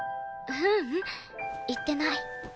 ううん言ってない。